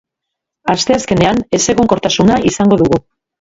Asteazkenean, ezegonkortasuna izango dugu.